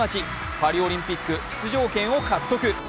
パリオリンピック出場権を獲得。